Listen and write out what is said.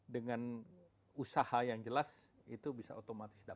dengan usaha yang jelas itu bisa otomatis dapat